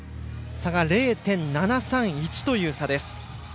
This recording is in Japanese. ０．７３１という差です。